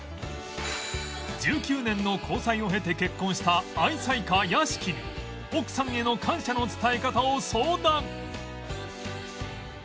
１９年の交際を経て結婚した愛妻家屋敷に奥さんへの感謝の伝え方を相談